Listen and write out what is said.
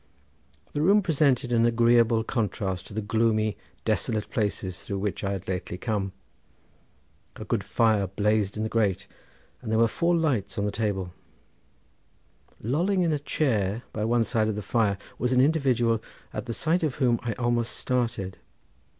The room presented an agreeable contrast to the gloomy, desolate places through which I had lately come. A good fire blazed in the grate, and there were four lights on the table. Lolling in a chair by one side of the fire was an individual at the sight of whom I almost started.